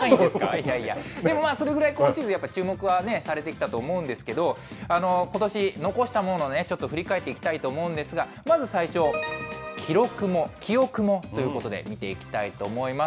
いやいや、でもそれぐらい今シーズン、やっぱり注目はされてきたと思うんですけれども、ことし、のこしたものをちょっと振り返っていきたいと思うんですが、まず最初、記録も記憶もということで、見ていきたいと思います。